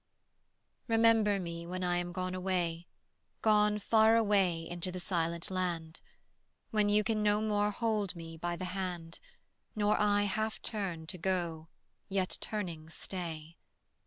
Remember me when I am gone away, Gone far away into the silent land; When you can no more hold me by the hand, Nor I half turn to go yet turning stay.